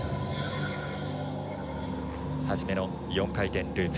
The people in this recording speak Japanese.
初めの４回転ループ。